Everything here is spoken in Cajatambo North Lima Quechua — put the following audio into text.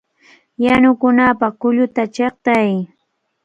¡Yanukunapaq kulluta chiqtay!